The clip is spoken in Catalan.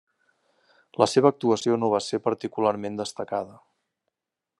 La seva actuació no va ser particularment destacada.